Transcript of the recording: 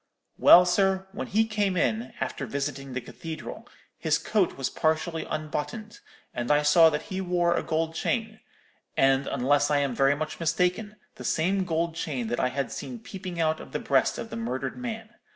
Well, sir, when he came in, after visiting the cathedral, his coat was partially unbuttoned and I saw that he wore a gold chain, and, unless I am very much mistaken, the same gold chain that I had seen peeping out of the breast of the murdered man.